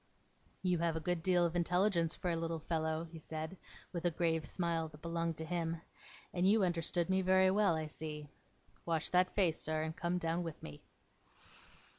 'You have a good deal of intelligence for a little fellow,' he said, with a grave smile that belonged to him, 'and you understood me very well, I see. Wash that face, sir, and come down with me.